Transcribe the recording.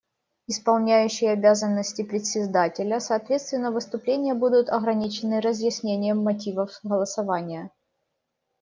Исполняющий обязанности Председателя: Соответственно, выступления будут ограничены разъяснением мотивов голосования.